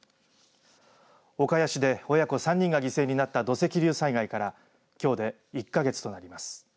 岡谷で親子３人が犠牲になった土石流災害からきょうで１か月となります。